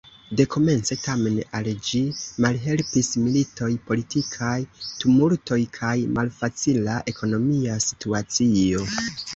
Dekomence, tamen, al ĝi malhelpis militoj, politikaj tumultoj kaj malfacila ekonomia situacio.